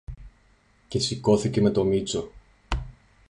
Και σηκώθηκε με τον Μήτσο.